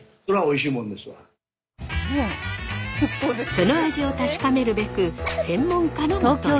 その味を確かめるべく専門家のもとへ。